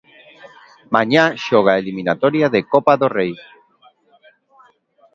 Mañá xoga a eliminatoria de Copa do Rei.